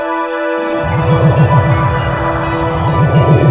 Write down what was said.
orang tuh seladar